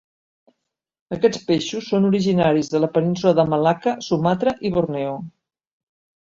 Aquests peixos són originaris de la Península de Malacca, Sumatra i Borneo.